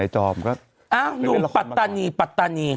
หนุ่มปัตตานีปัตตานี